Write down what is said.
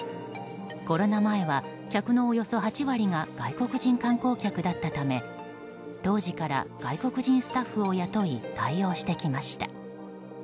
コロナ前は、客のおよそ８割が外国人観光客だったため当時から外国人スタッフを雇い対応してきました。